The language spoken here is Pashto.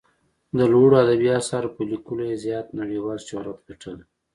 د لوړو ادبي اثارو په لیکلو یې زیات نړیوال شهرت ګټلی.